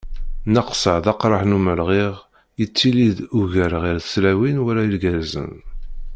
Nnaqsa d aqraḥ n umelɣiɣ, yettili-d ugar ɣer tlawin wala irgazen.